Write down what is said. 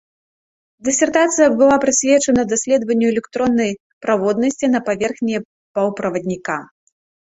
Дысертацыя была прысвечана даследаванню электроннай праводнасці на паверхні паўправадніка.